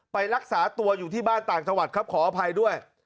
ไปรักษาตัวอยู่ที่บ้านต่างจังหวัดครับขออภัยด้วย